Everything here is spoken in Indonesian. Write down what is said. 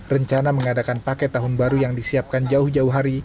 rencana mengadakan paket tahun baru yang disiapkan jauh jauh hari